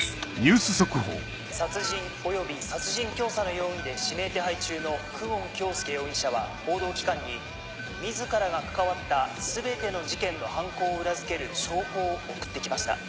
殺人および殺人教唆の容疑で指名手配中の久遠京介容疑者は報道機関に自らが関わった全ての事件の犯行を裏付ける証拠を送って来ました。